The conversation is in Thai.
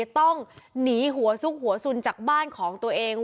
ต้องหนีหัวซุกหัวสุนจากบ้านของตัวเอง